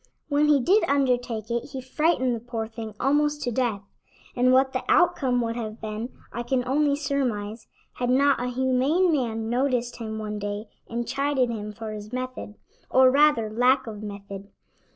When he did undertake it he frightened the poor thing almost to death, and what the outcome would have been I can only surmise, had not a humane man noticed him one day and chided him for his method, or rather lack of method.